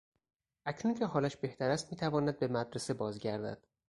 اکنون که حالش بهتر است میتواند به مدرسه باز گردد.